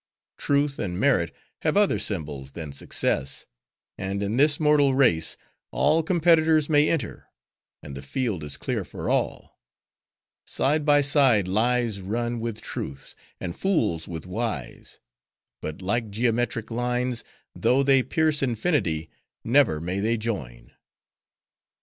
Truth and Merit have other symbols than success; and in this mortal race, all competitors may enter; and the field is clear for all. Side by side, Lies run with Truths, and fools with wise; but, like geometric lines, though they pierce infinity, never may they join."